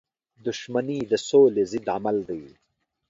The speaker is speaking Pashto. • دښمني د سولی ضد عمل دی.